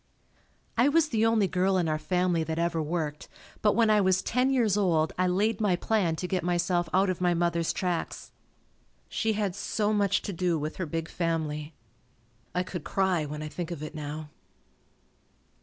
I was the only girl in our family that ever worked, but when I was ten years old I laid my plan to get myself out of my mother's tracks. She had so much to do with her big family. I could cry when I think of it now.